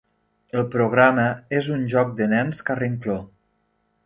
El programa és un joc de nens carrincló.